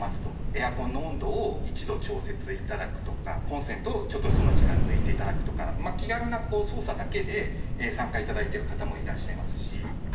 エアコンの温度を１度調節いただくとか、コンセントをちょっとこの時間、抜いていただくとか、気軽な操作だけで参加いただいている方もいらっしゃいます